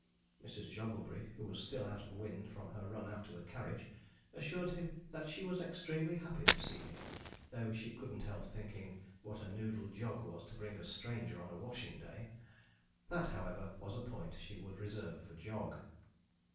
Mrs. Jogglebury, who was still out of wind from her run after the carriage, assured him that she was extremely happy to see him, though she couldn't help thinking what a noodle Jog was to bring a stranger on a washing day. That, however, was a point she would reserve for Jog.